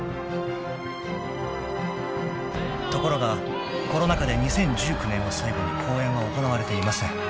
［ところがコロナ禍で２０１９年を最後に公演は行われていません］